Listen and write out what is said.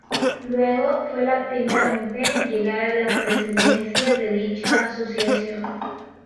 Luego fue la primera mujer en llegar a la presidencia de dicha asociación.